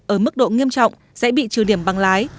ở mức độ nghiêm trọng sẽ bị trừ điểm bằng lái